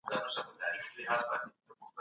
پریکړي په کوم اساس کېږي؟